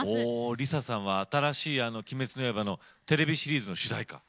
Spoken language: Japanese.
ＬｉＳＡさんは新しい「鬼滅の刃」のテレビシリーズの主題歌。